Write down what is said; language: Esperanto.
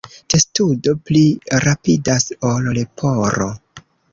Testudo pli rapidas ol leporo.